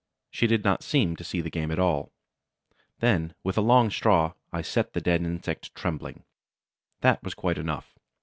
She did not seem to see the game at all. Then, with a long straw, I set the dead insect trembling. That was quite enough.